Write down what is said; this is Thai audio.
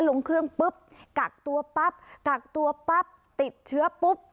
ลงเครื่องปุ๊บกักตัวปั๊บกักตัวปั๊บติดเชื้อปุ๊บ